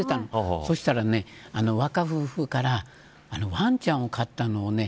そしたら若夫婦からワンちゃんを買ったの。